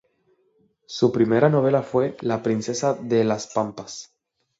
Su primera novela fue "La princesa de las pampas".